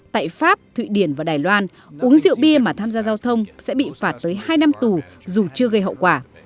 tại pháp thụy điển và đài loan uống rượu bia mà tham gia giao thông sẽ bị phạt tới hai năm tù dù chưa gây hậu quả